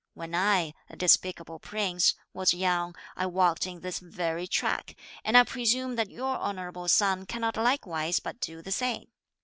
When I, a despicable prince, was young, I walked in this very track, and I presume that your honourable son cannot likewise but do the same.